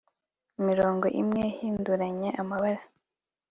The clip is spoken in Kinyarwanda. Imirongo imwe ihinduranya amabara